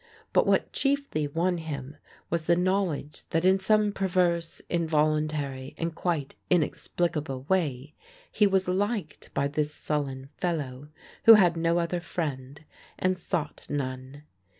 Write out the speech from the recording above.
But what chiefly won him was the knowledge that in some perverse, involuntary and quite inexplicable way he was liked by this sullen fellow, who had no other friend and sought none.